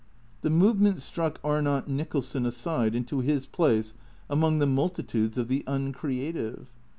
The movement struck Arnott Nicholson aside into his place among the multitudes of the uncreative.